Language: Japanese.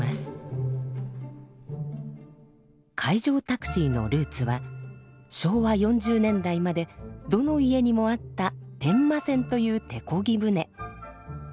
海上タクシーのルーツは昭和４０年代までどの家にもあった「伝馬船」という手こぎ船。